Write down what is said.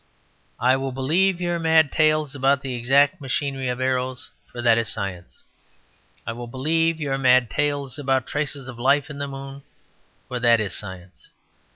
"I will believe your mad tales about the exact machinery of arrows; for that is science. I will believe your mad tales about traces of life in the moon; for that is science.